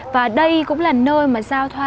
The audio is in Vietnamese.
và đây cũng là nơi giao thoa